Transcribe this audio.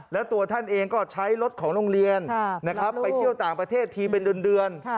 แล้วตัวท่านเองก็ใช้รถของโรงเรียนนะครับไปเที่ยวต่างประเทศทีเป็นเดือน